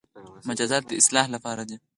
مجازات د اصلاح لپاره دي